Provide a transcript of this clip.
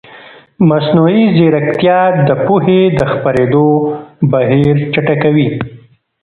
مصنوعي ځیرکتیا د پوهې د خپرېدو بهیر چټکوي.